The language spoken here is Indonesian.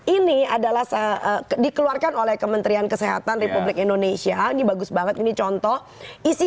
ini adalah dikeluarkan oleh kementerian kesehatan republik indonesia ini bagus banget ini contoh isi